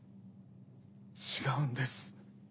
違うんです。